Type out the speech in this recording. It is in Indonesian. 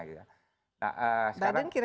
biden kira kira bagaimana